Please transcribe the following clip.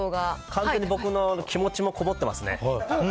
完全に僕の気持ちも込もってますね。